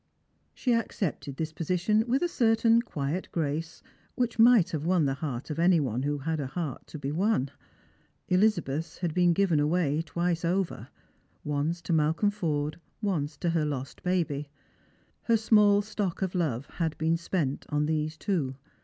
She accepted this position with a certain quiet grace which might have won the heart of any one who had a heart to be won. Elizabeth's had been given away twice over, once to Malcolm Forde, once to her lost baby. Her small stock of love had been spent on these two.